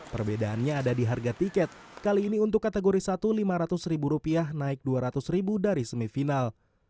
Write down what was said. perbedaannya ada di harga tiket kali ini untuk kategori satu lima ratus naik rp dua ratus dari semifinal